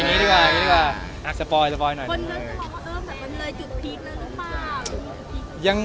คนเริ้มกำลับมาเสื้อสนับกรรมเลยจุดพีคเล่นรึเปล่า